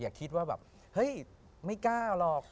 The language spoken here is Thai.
คิดว่าแบบเฮ้ยไม่กล้าหรอก